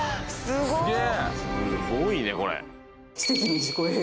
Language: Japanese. すごいねこれ。